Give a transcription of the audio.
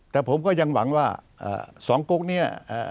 แต่ผมก็ยังหวังว่าสองกกนี้